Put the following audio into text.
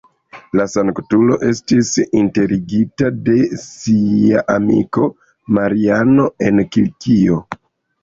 La sanktulo estis enterigita de sia amiko, Mariano, en Kilikio.